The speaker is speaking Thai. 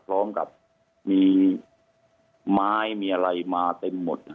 พร้อมกับมีไม้มีอะไรมาเต็มหมด